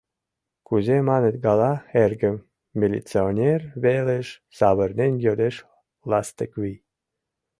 Кузе маныт гала, эргым? — милиционер велыш савырнен йодеш Ластыквий.